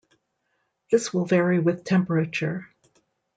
This will vary with temperature.